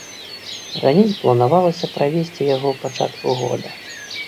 Раней планавалася правесці яго ў пачатку года.